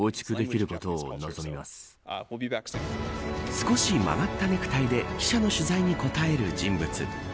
少し曲がったネクタイで記者の取材に答える人物。